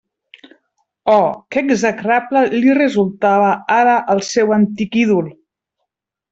Oh, que execrable li resultava ara el seu antic ídol!